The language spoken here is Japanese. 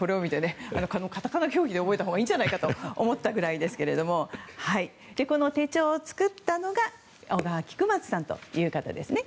カタカナ表記で覚えたほうがいいんじゃないかと思ったぐらいですけどこの手帳を作ったのが小川菊松さんという方ですね。